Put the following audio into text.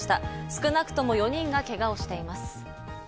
少なくとも４人がケガをしています。